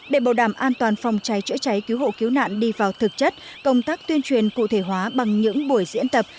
để bảo đảm an toàn phòng cháy chữa cháy cứu hộ cứu nạn đi vào thực chất công tác tuyên truyền cụ thể hóa bằng những buổi diễn tập